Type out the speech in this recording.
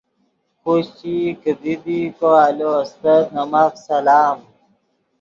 خوشچئی کیدی دی کو آلو استت نے ماف سلام۔